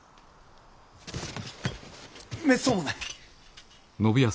めっそうもない！